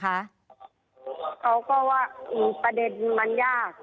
เขาก็ว่าประเด็นมันยาก